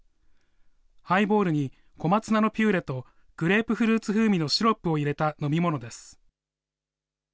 ハイボールに小松菜のピューレと、グレープフルーツ風味のシロップを入れた飲み物です。